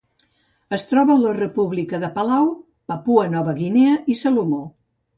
Es troba a la República de Palau, Papua Nova Guinea i Salomó.